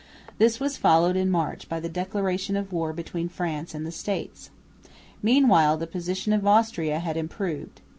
This was followed in March by the declaration of war between France and the States. Meanwhile the position of Austria had improved.